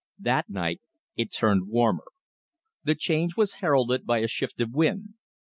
That night it turned warmer. The change was heralded by a shift of wind.